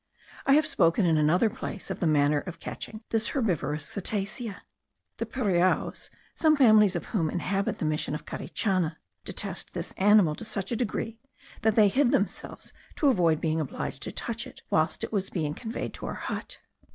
I have spoken in another place of the manner of catching this herbivorous cetacea. The Piraoas, some families of whom inhabit the mission of Carichana, detest this animal to such a degree, that they hid themselves, to avoid being obliged to touch it, whilst it was being conveyed to our hut.